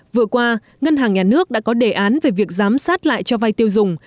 vừa qua ngân hàng nhà nước đã có đề án về việc giám sát lại cho vay tiêu dùng